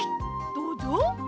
どうぞ。